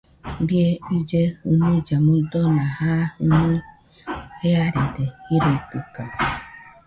Bie ille junuilla muidona, ja jɨnui jearede jiroitɨkaɨ